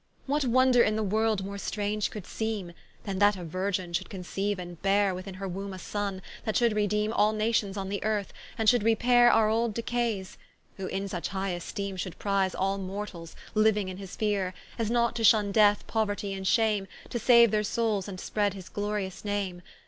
What wonder in the world more strange could seeme, Than that a Virgin could conceiue and beare Within her wombe a Sonne, That should redeeme All Nations on the earth, and should repaire Our old decaies: who in such high esteeme, Should prize all mortals, liuing in his feare; As not to shun Death, Pouertie, and Shame, To saue their soules, and spread his glorious Name.